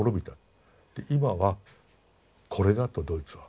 今はこれだとドイツは。